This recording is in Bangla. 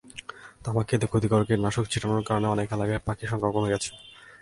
তামাকখেতে ক্ষতিকর কীটনাশক ছিটানোর কারণে অনেক এলাকায় পাখির সংখ্যাও কমে গেছে।